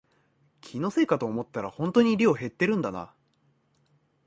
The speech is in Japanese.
気のせいかと思ったらほんとに量減ってるんだな